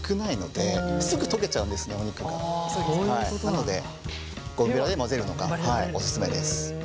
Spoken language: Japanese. なのでゴムベラで混ぜるのがお勧めです。